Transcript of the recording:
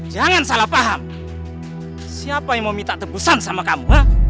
jangan salah paham siapa yang mau minta tebusan sama kamu